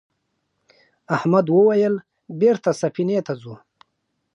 احمد وویل بېرته سفینې ته ځو.